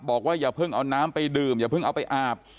อย่าเพิ่งเอาน้ำไปดื่มอย่าเพิ่งเอาไปอาบ